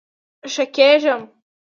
ښه کیږم